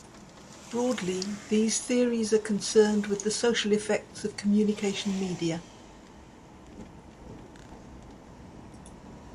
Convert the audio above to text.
Broadly, these theories are concerned with the social effects of communication media.